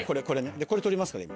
これ取りますから今。